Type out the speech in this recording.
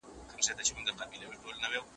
همکاري د ايمان بشپړتيا ده.